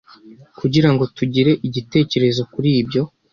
kugira ngo, tugire igitekerezo kuri byo,